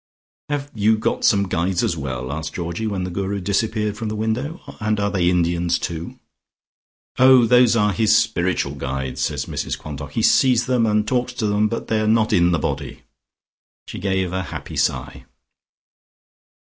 "Have you got some Guides as well?" asked Georgie when the Guru disappeared from the window. "And are they Indians too?" "Oh, those are his spiritual guides," said Mrs Quantock, "He sees them and talks to them, but they are not in the body." She gave a happy sigh.